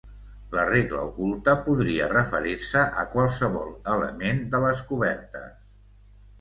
La regla oculta podria referir-se a qualsevol element de les cobertes.